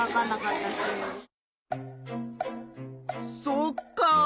そっか。